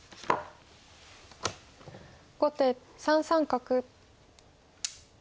後手３三角。